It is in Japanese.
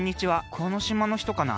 この島のひとかな？